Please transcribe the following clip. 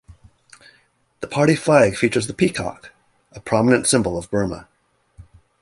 The party flag features the peacock, a prominent symbol of Burma.